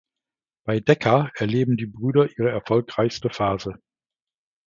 Bei Decca erlebten die Brüder ihre erfolgreichste Phase.